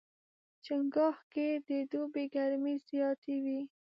چنګاښ کې د دوبي ګرمۍ زیاتې وي.